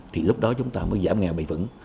thì lúc đó chúng ta mới giảm nghèo bình vững